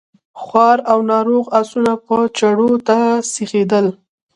خوار او ناروغ آسونه به چړو ته سيخېدل.